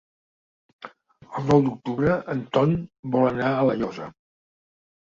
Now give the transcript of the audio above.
El nou d'octubre en Ton vol anar a La Llosa.